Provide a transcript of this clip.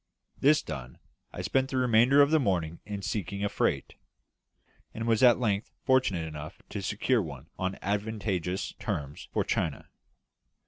This done, I spent the remainder of the morning in seeking a freight; and was at length fortunate enough to secure one on advantageous terms for China.